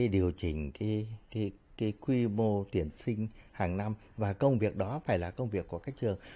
điều chỉnh quy mô tuyển sinh hàng năm và công việc đó phải là công việc của các trường